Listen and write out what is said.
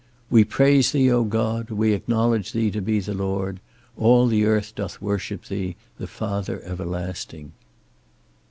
"We praise thee, O God: we acknowledge thee to be the Lord. All the earth doth worship thee, the Father everlasting."